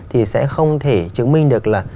thì sẽ không thể chứng minh được là